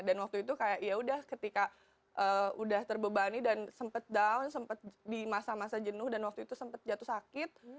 dan waktu itu kayak yaudah ketika udah terbebani dan sempet down sempet di masa masa jenuh dan waktu itu sempet jatuh sakit